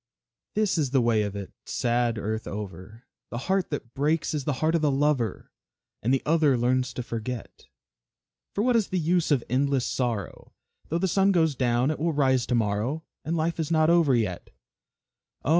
This is the way of it, sad earth over, The heart that breaks is the heart of the lover, And the other learns to forget. "For what is the use of endless sorrow? Though the sun goes down, it will rise to morrow; And life is not over yet." Oh!